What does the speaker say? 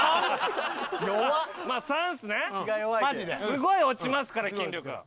すごい落ちますから筋力。